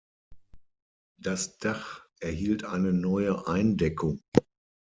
Das Dach erhielt eine neue Eindeckung.